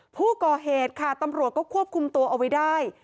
ผู้ก่อเหตุค่ะตำรวจก็ควบคุมตัวเอาไว้ได้